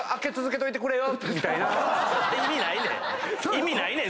意味ないねん。